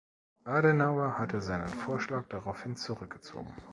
Adenauer hatte seinen Vorschlag daraufhin zurückgezogen.